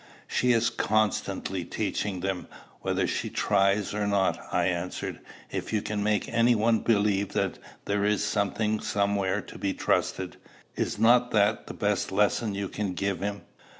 "She is constantly teaching them, whether she tries or not," I answered. "If you can make any one believe that there is something somewhere to be trusted, is not that the best lesson you can give him?